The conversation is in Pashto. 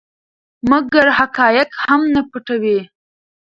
مګر حقایق هم نه پټوي.